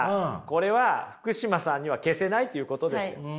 これは福島さんには消せないということです。